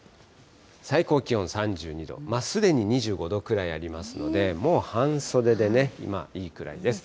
最高気温３２度、すでに２５度くらいありますので、もう半袖でね、今、いいくらいです。